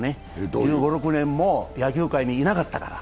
１５１６年も野球界にいなかったから。